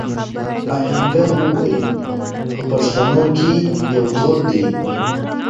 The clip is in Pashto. آهنګر وويل: په پښتنو کې يو دود دی.